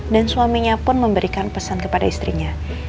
dan suaminya pun memberikan pesan kepada istrinya